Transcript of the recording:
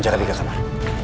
ajak abie ke kamar